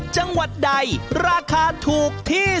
จังหวัดใดราคาถูกที่สุด